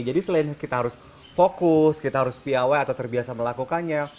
jadi selain kita harus fokus kita harus pay atau terbiasa melakukannya